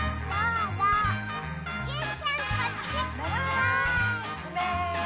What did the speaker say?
うめ？